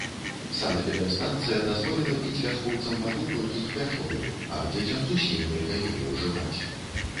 Санэпідэмстанцыя дазволіла піць вяскоўцам ваду толькі кіпячоную, а дзецям зусім нельга яе ўжываць.